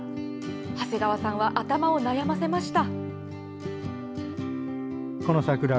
長谷川さんは頭を悩ませました。